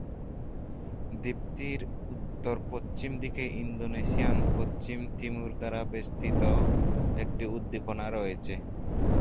দ্বীপটির উত্তর-পশ্চিম দিকে ইন্দোনেশিয়ান পশ্চিম তিমুর দ্বারা বেষ্টিত একটি উদ্দীপনা রয়েছে।